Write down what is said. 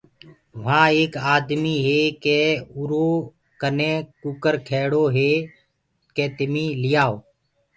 وهآن ايڪ آدمي هي ڪي اُرو ڪني ڪٚڪَر کيڙو هي ڪي تمي لِيآئو۔